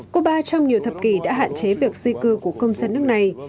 cuba trong nhiều thập kỷ đã hạn chế việc di cư của công dân nước này